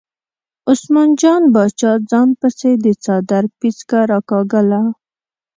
عثمان جان باچا ځان پسې د څادر پیڅکه راکاږله.